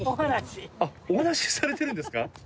あっお話されてるんですか。